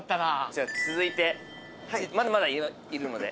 じゃあ続いてまだまだいるので。